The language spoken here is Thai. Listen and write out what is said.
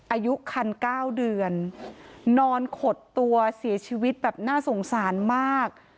อายุคัน๙เดือนนอนขดตัวเสียชีวิตแบบน่าสงสารมาก